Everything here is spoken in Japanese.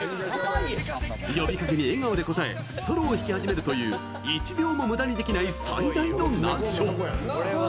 呼びかけに笑顔で応えソロを弾き始めるという１秒も無駄にできない最大の難所。